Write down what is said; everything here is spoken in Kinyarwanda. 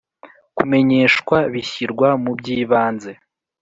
Kumenyeshwa bishyirwa mubyibanze.